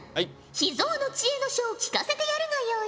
秘蔵の知恵の書を聞かせてやるがよい。